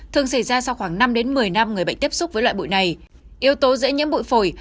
thường xảy ra sau khoảng năm một mươi năm người bệnh tiếp xúc với loại bụi này yếu tố dễ nhiễm bụi phổi